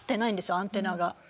アンテナが。